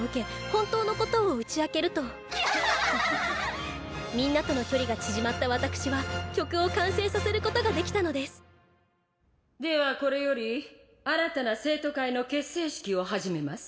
本当のことを打ち明けるとみんなとの距離が縮まったわたくしは曲を完成させることができたのですではこれより新たな生徒会の結成式を始めます。